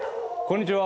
こんにちは。